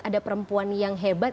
ada perempuan yang hebat